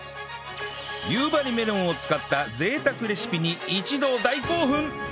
夕張メロンを使った贅沢レシピに一同大興奮！